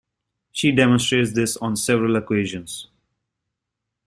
She demonstrates this on several occasions.